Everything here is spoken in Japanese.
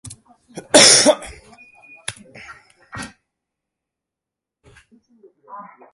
がががががが